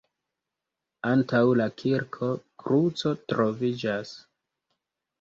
Antaŭ la kirko kruco troviĝas.